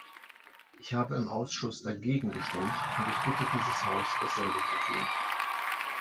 Ich habe im Ausschuss dagegen gestimmt, und ich bitte dieses Haus, dasselbe zu tun.